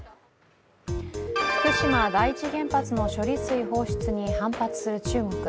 福島第一原発の処理水放出に反発する中国。